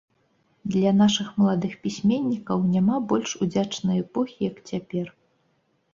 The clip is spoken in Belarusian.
Для нашых маладых пісьменнікаў няма болей удзячнай эпохі, як цяпер.